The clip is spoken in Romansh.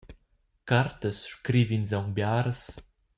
Cartas scriv’ins aunc biaras.